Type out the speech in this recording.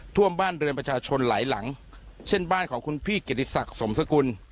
ท่วมบ้านเรือนประชาชนหลายหลังเช่นบ้านของคุณพี่เกียรติศักดิ์สมสกุล